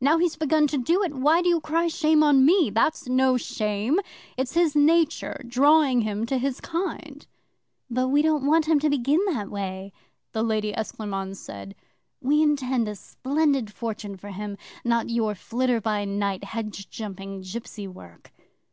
"Now he's begun to do it, why do you cry shame on me? That's no shame. It's his nature drawing him to his kind." '"But we don't want him to begin that way," the Lady Esclairmonde said. "We intend a splendid fortune for him not your flitter by night, hedge jumping, gipsy work."